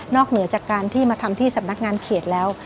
เหนือจากการที่มาทำที่สำนักงานเขตแล้ว